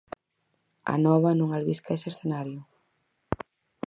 Anova non albisca ese escenario.